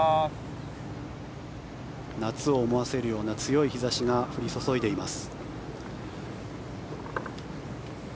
夏を思わせるような強い日差しが降り注いでいます。